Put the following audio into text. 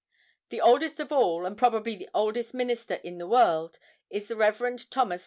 The oldest of all, and probably the oldest minister in the world, is Rev. Thos.